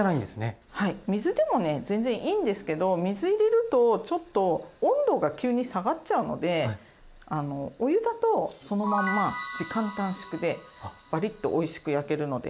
水でもね全然いいんですけど水入れるとちょっと温度が急に下がっちゃうのでお湯だとそのまんま時間短縮でバリッとおいしく焼けるので。